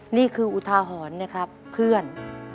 หนี้คืออุทาหอนนะครับเพื่อน